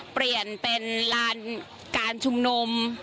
เปลี่ยนเป็นการชมนุม